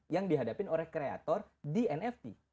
yang dihadapin oleh kreator di nft